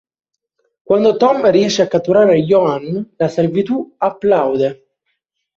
Quanto Tom riesce a catturare Johann, la servitù applaude.